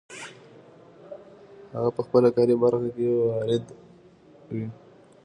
هغه په خپله کاري برخه کې وارد وي.